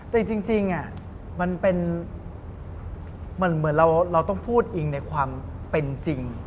แต่จริงมันเป็นเหมือนเราต้องพูดอิงในความเป็นจริง